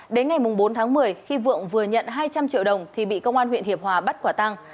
đến ngày bốn tháng một mươi khi vượng vừa nhận hai trăm linh triệu đồng thì bị công an huyện hiệp hòa bắt quả tăng